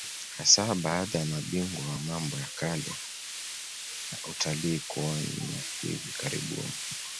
Hasa baada ya mabingwa wa mambo ya kale na utalii kuonya hivi karibuni